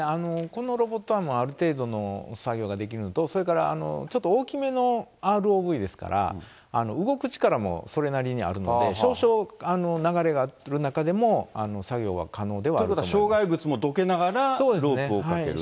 このロボットアームはある程度の作業ができるのと、それから、ちょっと大きめのＲＯＶですから、動く力もそれなりにあるので、少々流れがあってる中でも、ということは、障害物もどけながら、ロープをかける。